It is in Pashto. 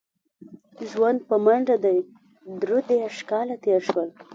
ژوند په منډه دی درې دېرش کاله تېر شول.